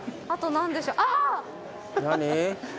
何？